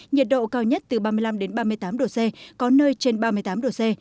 nhiệt độ cao nhất từ ba mươi năm ba mươi tám độ c có nơi trên ba mươi tám độ c